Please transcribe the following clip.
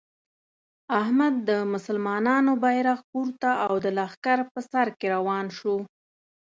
احمد د مسلمانانو بیرغ پورته او د لښکر په سر کې روان شو.